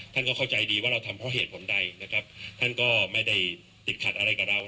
ท่านก็เข้าใจดีว่าเราทำเพราะเหตุผลใดนะครับท่านก็ไม่ได้ติดขัดอะไรกับเรา